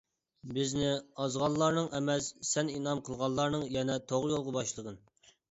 بىزنى ئازغانلارنىڭ ئەمەس سەن ئىنئام قىلغانلارنىڭ يەنى توغرا يولغا باشلىغىن.